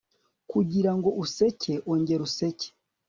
kugira ngo useke, ongera useke